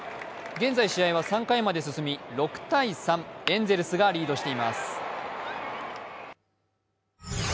現在、試合は３回まで進み、６−３、エンゼルスがリードしています。